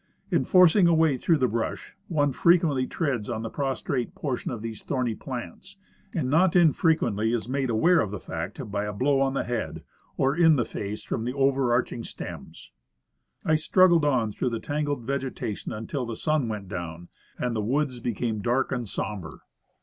In forcing a way through the brush one frequently triads on the prostrate jiortion of these thorny plants, and not infrequently is made aware of the fact by a blow on the head or in the face from the over arching stems. I struggled on through the tangled vegetation until the sun went down and the woods became dark and somber.